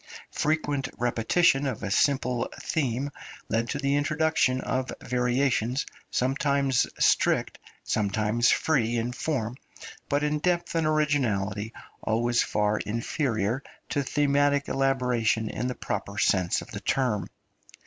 Frequent repetition of a simple theme led to the introduction of variations, sometimes strict, sometimes free in form, but in depth and originality always far inferior to thematic elaboration in the proper sense of the term.